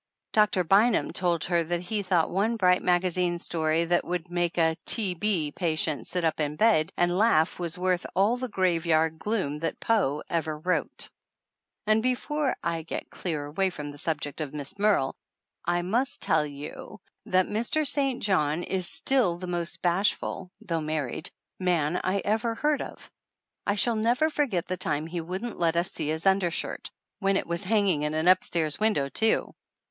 Doctor Bynum told her that he thought one bright magazine story that would make a "T. B." patient sit up in bed and laugh was worth all the graveyard gloom that Poe. ever wrote. And before I get clear away from the subject of Miss Merle I must tell you that Mr. St. John is still the most bashful, though married, man I ever heard of. I never shall forget the time he wouldn't let us see his undershirt when it was hanging in an up stairs window, too.